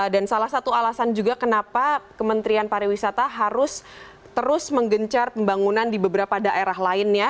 dan salah satu alasan juga kenapa kementerian pariwisata harus terus menggencar pembangunan di beberapa daerah lainnya